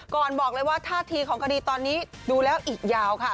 ก่อนบอกเลยว่าท่าทีของคดีตอนนี้ดูแล้วอีกยาวค่ะ